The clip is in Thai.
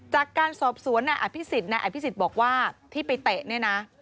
จากการสอบสวนนายอภิษฎนายอภิษฎบอกว่าที่ไปเตะเนี่ยนะ